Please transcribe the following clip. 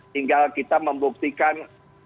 tinggal kita membuktikan